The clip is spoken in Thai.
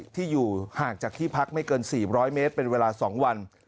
ที่อยู่ห่างจากที่พักไม่เกิน๔๐๐เมตรเป็นเวลา๒วัน